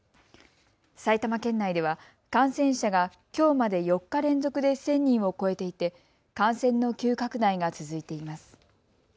埼玉県内では感染者がきょうまで４日連続で１０００人を超えていて感染の急拡大が続いています。